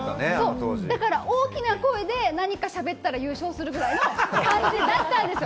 だから大きな声で何か喋ったら優勝するくらいの感じだったんですよ。